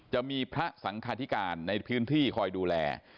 จะมีพระสังคาธิการในพื้นที่คอยดูแล